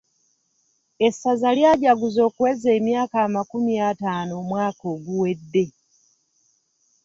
Essaza lyajaguza okuweza emyaka amakumi ataano omwaka oguwedde.